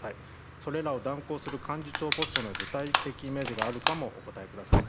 それらを断行する幹事長ポストの具体的めどがあるかもお答えください。